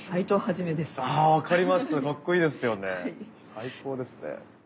最高ですね。